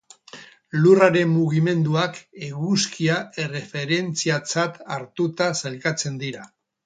Lurraren mugimenduak Eguzkia erreferentziatzat hartuta sailkatzen dira.